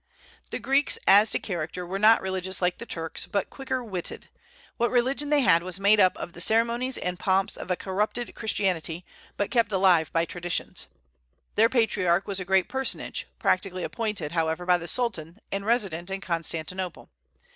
The Greeks, as to character, were not religious like the Turks, but quicker witted. What religion they had was made up of the ceremonies and pomps of a corrupted Christianity, but kept alive by traditions. Their patriarch was a great personage, practically appointed, however, by the Sultan, and resident in Constantinople.